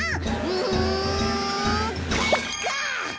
うんかいか！